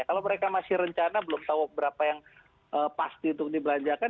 kalau mereka masih rencana belum tahu berapa yang pasti untuk dibelanjakan